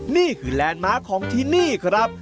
นี่คือแลนด์มาของที่นี่ครับ